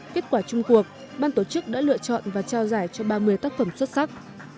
kết quả chung cuộc ban tổ chức đã lựa chọn và trao giải cho ba mươi tác phẩm xuất sắc